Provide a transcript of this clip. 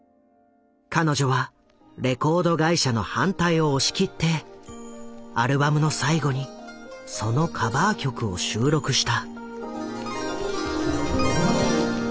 彼女はレコード会社の反対を押し切ってアルバムの最後にそのカバー曲を収録した。